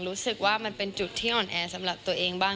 รู้สึกว่ามันเป็นจุดที่อ่อนแอสำหรับตัวเองบ้าง